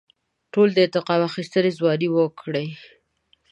ټولو د انتقام اخیستنې ځوانۍ وکړې.